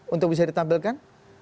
untuk bisa ditampilkan